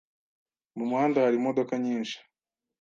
Mu muhanda hari imodoka nyinshi.